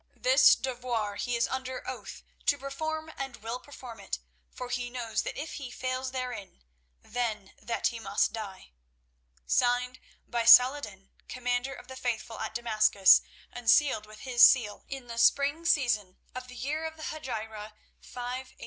This devoir he is under oath to perform and will perform it, for he knows that if he fails therein, then that he must die. "Signed by Salah ed din, Commander of the Faithful, at Damascus, and sealed with his seal, in the spring season of the year of the Hegira 581.